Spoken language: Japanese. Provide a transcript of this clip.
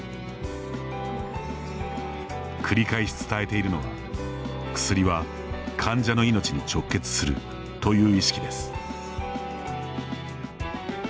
繰り返し伝えているのは「薬は患者の命に直結する」という意識です。